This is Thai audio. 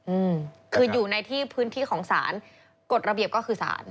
อืมคืออยู่ในที่พื้นที่ของศาลกฎระเบียบก็คือสาร